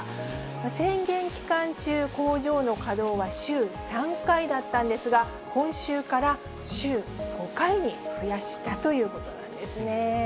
宣言期間中、工場の稼働は週３回だったんですが、今週から週５回に増やしたということなんですね。